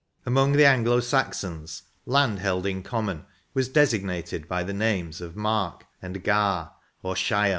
Among the Anglo Saxons, lapd held in common was designated hy the names of Mark, and Ga, or Shire.